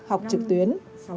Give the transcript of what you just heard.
học trực tuyến